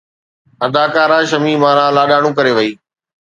اداڪاره شميم آرا لاڏاڻو ڪري وئي